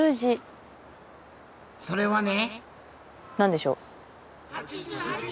それはね。